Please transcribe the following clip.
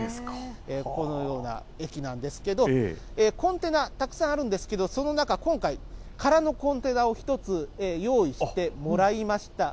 このような駅なんですけど、コンテナたくさんあるんですけど、その中、今回、空のコンテナを１つ、用意してもらいました。